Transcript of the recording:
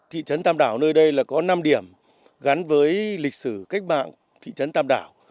thị trấn tam đảo nơi đây là có năm điểm gắn với lịch sử cách mạng thị trấn tam đảo